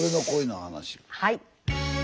はい。